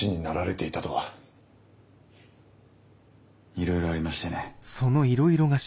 いろいろありましてね。